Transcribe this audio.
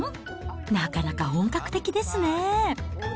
なかなか本格的ですね。